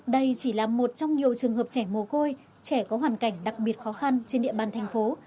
đây chỉ là một trong nhiều trường hợp trẻ mồ côi trẻ có hoàn cảnh đặc biệt khó khăn trên địa bàn thành phố